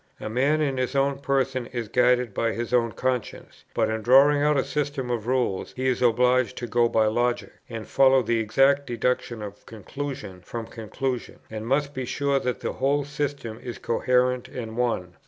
A man in his own person is guided by his own conscience; but in drawing out a system of rules he is obliged to go by logic, and follow the exact deduction of conclusion from conclusion, and must be sure that the whole system is coherent and one.